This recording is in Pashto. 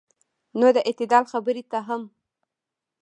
نو د اعتدال خبرې ته هم